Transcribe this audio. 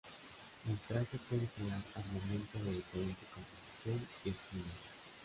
El traje puede crear armamento de diferente composición y estilo.